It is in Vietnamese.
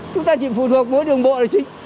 chúng ta chỉ phụ thuộc mỗi đường bộ này chứ